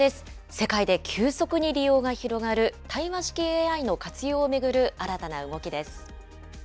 世界で急速に利用が広がる、対話式ＡＩの活用を巡る新たな動きです。